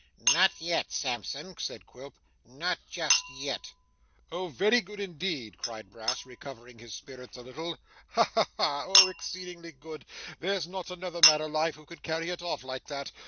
'Not yet, Sampson,' said Quilp. 'Not just yet!' 'Oh very good indeed!' cried Brass, recovering his spirits a little. 'Ha ha ha! Oh exceedingly good! There's not another man alive who could carry it off like that.